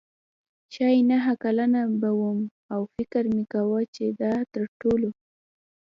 ښايي نهه کلنه به وم او فکر مې کاوه چې دا تر ټولو.